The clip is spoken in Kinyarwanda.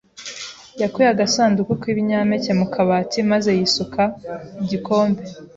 yakuye agasanduku k'ibinyampeke mu kabati maze yisuka igikombe.